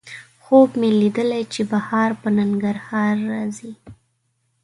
خوب مې لیدلی چې بهار په ننګرهار راځي